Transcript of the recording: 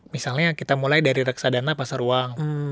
misalnya kita mulai dari reksadana pasar uang